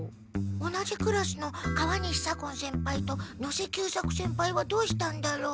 同じクラスの川西左近先輩と能勢久作先輩はどうしたんだろう？